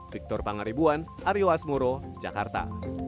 victor pangaribuan aryo asmoro jakarta